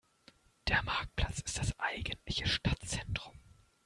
Der Marktplatz ist das eigentliche Stadtzentrum.